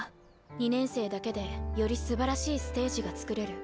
２年生だけでよりすばらしいステージがつくれる。